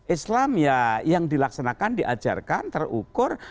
islam ya yang dilaksanakan diajarkan terukur